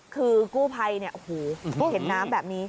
คือกู้ภัยเนี่ยโอ้โหเห็นน้ำแบบนี้